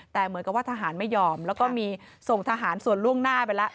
แต่เหมือนกับว่าทหารไม่ยอมแล้วก็มีส่งทหารส่วนล่วงหน้าไปแล้ว